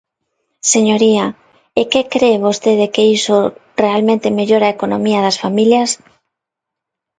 Señoría, ¿é que cre vostede que iso realmente mellora a economía das familias?